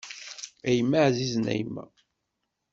A yemma ɛzizen a yemma.